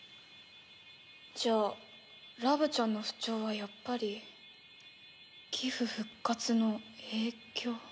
じゃあラブちゃんの不調はやっぱりギフ復活の影響？